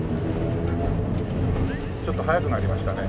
ちょっと速くなりましたね。